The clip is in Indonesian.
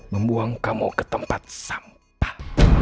membuang kamu ke tempat sampah